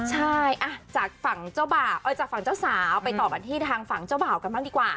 ใช่จากฝั่งเจ้าบ่าวจากฝั่งเจ้าสาวไปต่อกันที่ทางฝั่งเจ้าบ่าวกันบ้างดีกว่า